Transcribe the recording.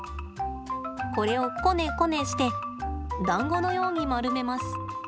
これをこねこねしてだんごのように丸めます。